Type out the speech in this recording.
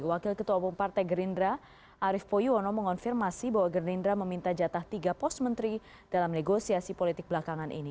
wakil ketua umum partai gerindra arief poyuono mengonfirmasi bahwa gerindra meminta jatah tiga pos menteri dalam negosiasi politik belakangan ini